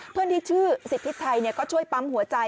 เพื่อนที่ชื่อสิทธิชัยก็ช่วยปั๊มหัวใจ